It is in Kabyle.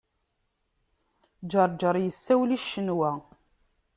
Ǧeṛǧeṛ yessawel i Ccenwa.